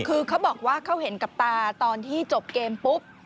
คือเขาบอกว่าเขาเห็นกับตาตอนที่จบเกมปุ๊บ